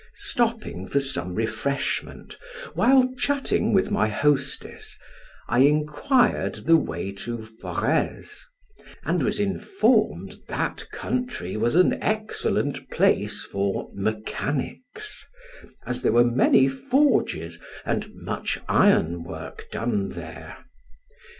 Stopping for some refreshment (while chatting with my hostess), I inquired the way to Forez, and was informed that country was an excellent place for mechanics, as there were many forges, and much iron work done there.